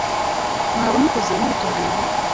mwaba mukoze mubitubwiye vuba